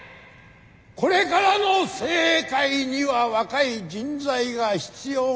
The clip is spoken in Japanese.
これからの政界には若い人材が必要なんです！